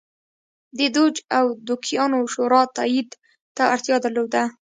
د دوج او دوکیانو شورا تایید ته اړتیا درلوده